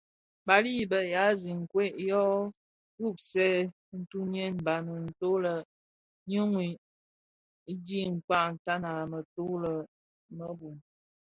Bali i be yea bi zinkwed yo wuwubsèn tsomyè dhamum nto lè nimum dhi kpag tan a mëto më bum.